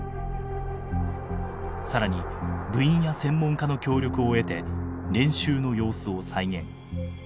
更に部員や専門家の協力を得て練習の様子を再現。